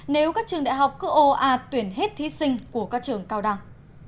nếu các trường đại học cứ ô à tuyển hết thí sinh của các trường cao đẳng